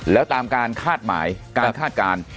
แล้วตามการคาดหมายการคาดการณ์